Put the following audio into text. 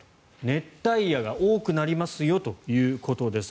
熱帯夜が多くなりますよということです。